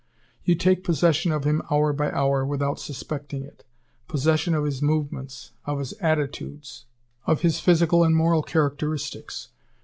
You take possession of him hour by hour without suspecting it; possession of his movements, of his attitudes, of his physical and moral characteristics.